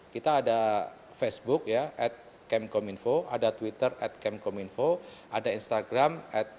kita ada facebook ya ada twitter ada instagram